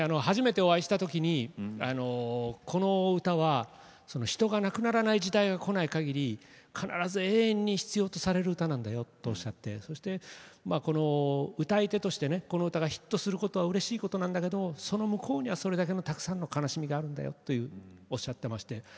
初めてお会いしたときにこの歌は人が亡くならない時代が来ないかぎり必ず永遠に必要とされる歌なんだよとおっしゃってそして歌い手としてねこの歌がヒットすることはうれしいことなんだけどその向こうにはそれだけのたくさんの悲しみがあるんだよとおっしゃってまして。